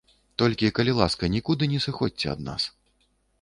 Толькі, калі ласка, нікуды не сыходзьце ад нас.